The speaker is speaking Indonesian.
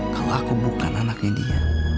kalau aku bukan anaknya dia